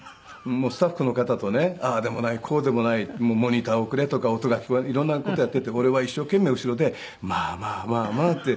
「スタッフの方とねああでもないこうでもないモニターをくれとか音が聞こえ色んな事をやっていて俺は一生懸命後ろでまあまあまあまあって」。